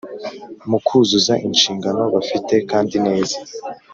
Mu kuzuza inshingano bafite kandi neza